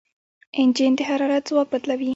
انجن د حرارت ځواک بدلوي.